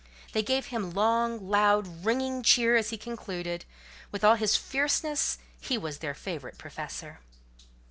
They gave him a long, loud, ringing cheer, as he concluded: with all his fierceness, he was their favourite professor.